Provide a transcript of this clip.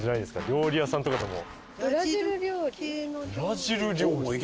料理屋さんとかでも。